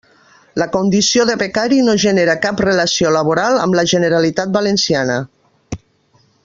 La condició de becari no genera cap relació laboral amb la Generalitat Valenciana.